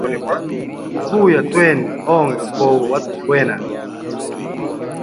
Vuya twene onga kowa watufa wena.